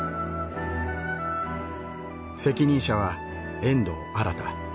責任者は遠藤新。